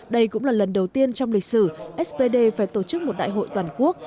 đây cũng là lần đầu tiên trong lịch sử spd phải tổ chức một đại hội toàn quốc